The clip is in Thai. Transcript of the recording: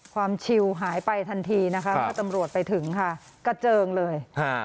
ความชิลหายไปทันทีนะครับถ้าตำรวจไปถึงค่ะกระเจิงเลย